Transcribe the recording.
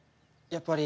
やっぱり。